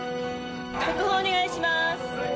速報お願いします。